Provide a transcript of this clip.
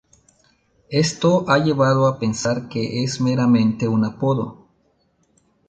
Esto ha llevado a pensar que es meramente un apodo.